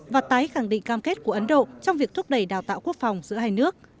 và tái khẳng định cam kết của ấn độ trong việc thúc đẩy đào tạo quốc phòng giữa hai nước